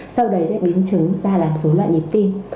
sau đấy lại biến chứng ra làm dối loạn nhịp tim